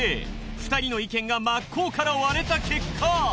２人の意見が真っ向から割れた結果。